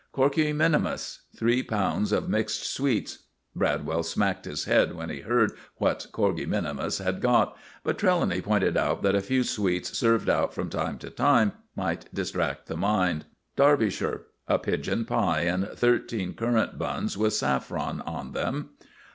CORKEY MINIMUS. Three pounds of mixed sweets. (Bradwell smacked his head when he heard what Corkey minimus had got; but Trelawny pointed out that a few sweets served out from time to time might distract the mind.) DERBYSHIRE. A pigeon pie and thirteen currant buns with saffron in them.